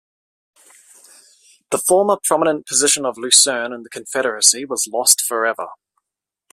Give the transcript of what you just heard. The former prominent position of Lucerne in the confederacy was lost forever.